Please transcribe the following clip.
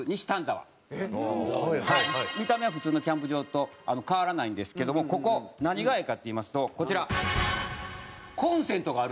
見た目は普通のキャンプ場と変わらないんですけどもここ何がええかっていいますとこちら。